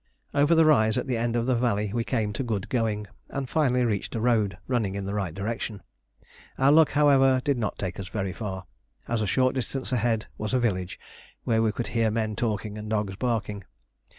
Over the rise at the end of the valley we came to good going, and finally reached a road running in the right direction. Our luck, however, did not take us very far, as a short distance ahead was a village where we could hear men talking and dogs barking.